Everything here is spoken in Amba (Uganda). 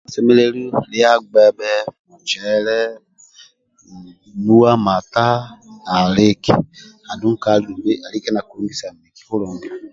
Kisemelelu lia gbebhe mucele hhh nuwa mata liki andulubl nkali alike nakilugisa miki kulungi